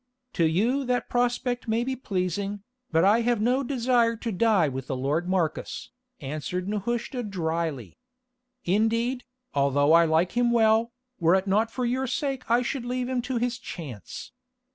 "To you that prospect may be pleasing, but I have no desire to die with the lord Marcus," answered Nehushta drily. "Indeed, although I like him well, were it not for your sake I should leave him to his chance.